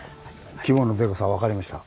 規模のでかさ分かりました。